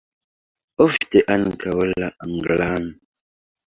Ofte ankaŭ la anglan.